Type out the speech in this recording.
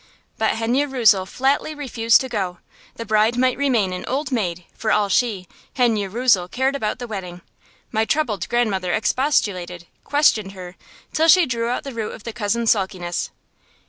But Henne Rösel flatly refused to go; the bride might remain an old maid, for all she, Henne Rösel, cared about the wedding. My troubled grandmother expostulated, questioned her, till she drew out the root of the cousin's sulkiness.